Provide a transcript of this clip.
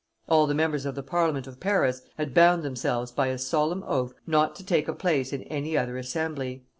All the members of the Parliament of Paris had bound themselves by a solemn oath not to take a place in any other assembly.